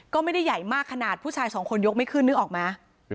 ก็ไม่ได้ใหญ่มากขนาดผู้ชายสองคนยกไม่ขึ้นนึกออกไหม